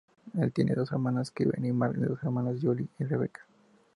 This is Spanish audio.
Él tiene dos hermanos, Kevin y Marc, y dos hermanas, Julie y Rebecca.